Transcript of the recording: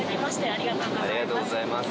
ありがとうございます。